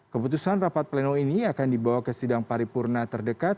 keputusan rapat pleno ini akan dibawa ke sidang paripurna terdekat